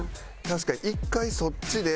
確かに１回そっちで。